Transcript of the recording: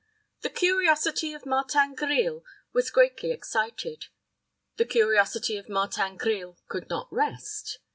The curiosity of Martin Grille was greatly excited. The curiosity of Martin Grille could not rest.